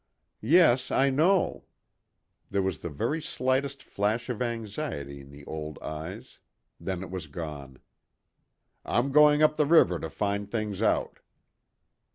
"Yes, I know." There was the very slightest flash of anxiety in the old eyes. Then it was gone. "I'm going up the river to find things out."